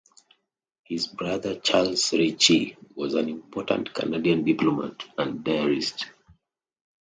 His brother, Charles Ritchie was an important Canadian diplomat and diarist.